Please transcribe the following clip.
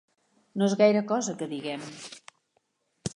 No és gaire cosa, que diguem.